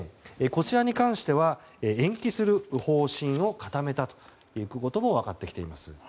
こちらに関しては延期する方針を固めたということも分かってきています。